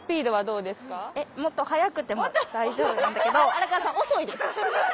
荒川さん遅いです。